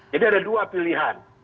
jadi ada dua pilihan